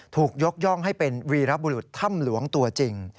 ถูกยกย่องให้เป็นวีรบุรุษถ้ำหลวงตัวจริง